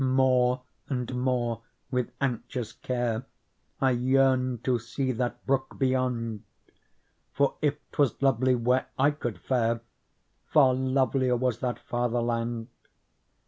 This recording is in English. More and more, with anxious care, I yearned to see that brook beyond ; For if 'twas lovely where I could fare. Far lovelier was that farther land.